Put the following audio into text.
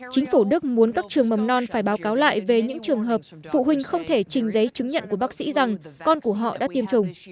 chính phủ đức muốn các trường mầm non phải báo cáo lại về những trường hợp phụ huynh không thể trình giấy chứng nhận của bác sĩ rằng con của họ đã tiêm chủng